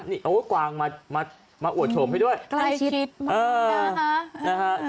นี่โอ้โหกวางมามามาอวดโฉมให้ด้วยใกล้ชิดเออนะฮะนะฮะ